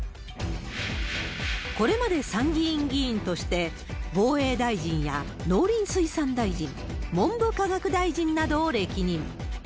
これまで参議院議員として、防衛大臣や農林水産大臣、文部科学大臣などを歴任。